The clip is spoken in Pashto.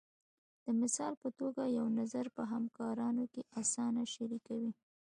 د مثال په توګه یو نظر په همکارانو کې اسانه شریکوئ.